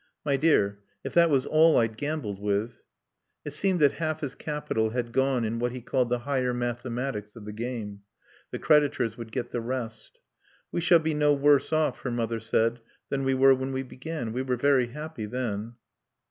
"My dear, if that was all I'd gambled with " It seemed that half his capital had gone in what he called "the higher mathematics of the game." The creditors would get the rest. "We shall be no worse off," her mother said, "than we were when we began. We were very happy then."